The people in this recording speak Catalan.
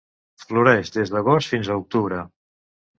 Floreix des d'agost fins a octubre.